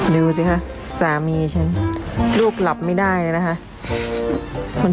ดูสิคะสามีฉันลูกหลับไม่ได้เลยนะคะ